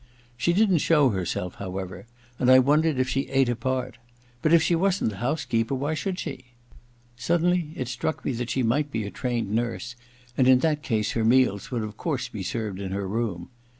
She didn't show herself, however, and I wondered if she ate apart ; but if she wasn't the house keeper, why should she ? Suddenly it struck me that she might be a trained nurse, and in that case her meals would of course be served in her room.